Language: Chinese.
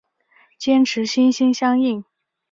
坚持心心相印。